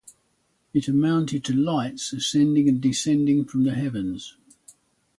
It amounted to 'lights' ascending and descending from the heavens.